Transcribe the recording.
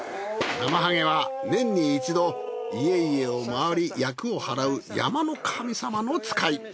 なまはげは年に一度家々をまわり厄を払う山の神様の使い。